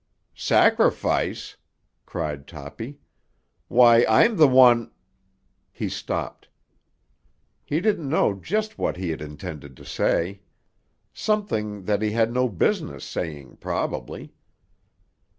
"Sacrifice!" cried Toppy. "Why, I'm the one——" He stopped. He didn't know just what he had intended to say. Something that he had no business saying, probably.